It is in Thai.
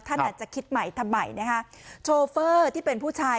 ท่านอาจจะคิดใหม่ทำไมนะคะโชเฟอร์ที่เป็นผู้ชาย